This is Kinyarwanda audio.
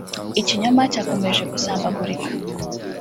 Ikinyoma cyakomeje gusambagurika